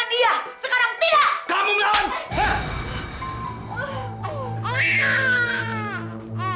kita bicara baik baik nunik saya akan jelaskan